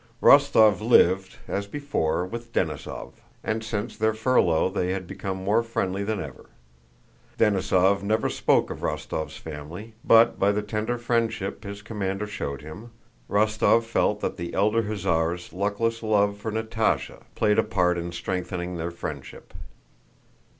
Rostóv lived, as before, with Denísov, and since their furlough they had become more friendly than ever. Denísov never spoke of Rostóv's family, but by the tender friendship his commander showed him, Rostóv felt that the elder hussar's luckless love for Natásha played a part in strengthening their friendship.